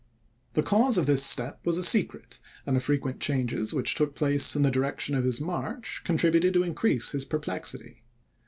The cause of this step was a secret, and the frequent changes which took place in the direction of his march, contributed to increase this perplexity.